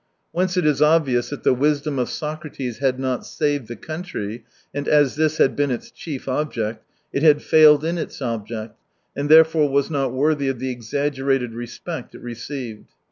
Whence it is obvious that the wisdom of Socrates had not saved the country, and as this had been its chief object, it had failed in its object, and therefore was not worthy of the exaggerated respect it received.